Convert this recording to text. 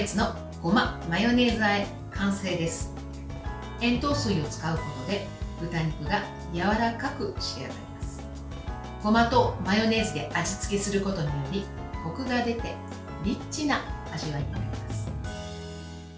ごまとマヨネーズで味付けすることによりこくが出てリッチな味わいになります。